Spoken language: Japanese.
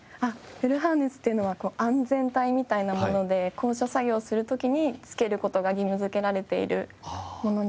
フルハーネスというのは安全帯みたいなもので高所作業をする時に着ける事が義務付けられているものになるんですけれども。